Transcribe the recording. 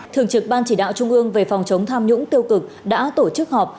thường trực ban chỉ đạo trung ương về phòng chống tham nhũng tiêu cực đã tổ chức họp